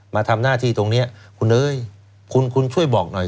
มาทำหน้าที่ตรงนี้คุณเอ้ยคุณคุณช่วยบอกหน่อย